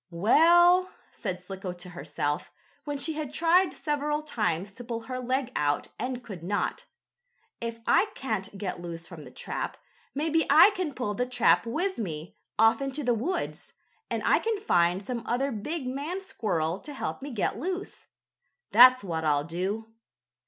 "Well," said Slicko to herself, when she had tried several times to pull her leg out and could not, "if I can't get loose from the trap, maybe I can pull the trap with me, off into the woods, and I can find some other big man squirrel to help me get loose. That's what I'll do."